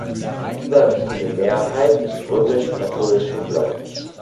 Die überwiegende Mehrheit ist römisch-katholischen Glaubens.